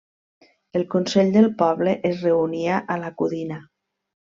El Consell del Poble es reunia a la Codina.